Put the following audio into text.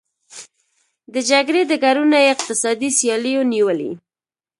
د جګړې ډګرونه یې اقتصادي سیالیو نیولي.